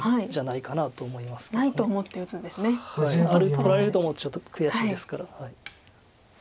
取られると思うとちょっと悔しいですから。